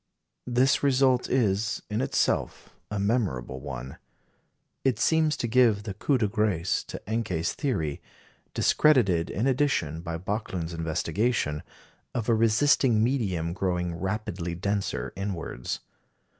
This result is, in itself, a memorable one. It seems to give the coup de grâce to Encke's theory discredited, in addition, by Backlund's investigation of a resisting medium growing rapidly denser inwards.